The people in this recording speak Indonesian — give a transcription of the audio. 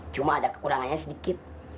cuma ada kekurangannya sedikit